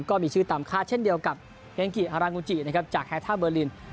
ก็มีชื่อตามคาดเช่นเดียวกับเฮงกิฮารางูจินะครับจากแฮท่าเบอร์ลิน